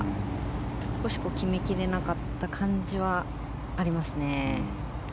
少し決めきれなかった感じはありますね。